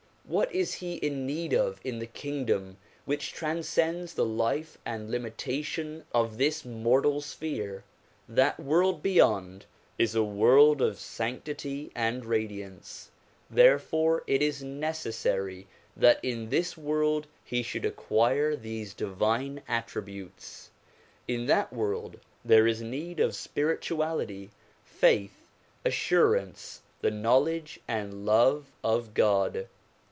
What is he in need of in the kingdom which transcends the life and limitation of this mortal sphere? That world beyond is a world of sanctity and radiance ; therefore it is necessary that in this world he should acquire these divine attributes. In that world there is need of spirituality, faith, assurance, the knowledge and love of God.